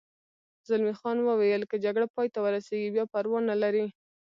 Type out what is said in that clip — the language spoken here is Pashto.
زلمی خان وویل: که جګړه پای ته ورسېږي بیا پروا نه لري.